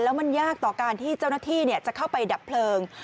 แล้วมันยากต่อการที่เจ้าหน้าที่จะเข้าไปดับเพลิง